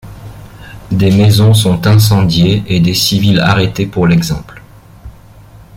Des maisons sont incendiées et des civils arrêtés pour l'exemple.